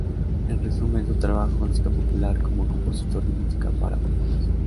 En resumen, su trabajo en la música popular, como compositor de música para películas.